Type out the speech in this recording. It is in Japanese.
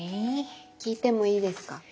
聞いてもいいですか？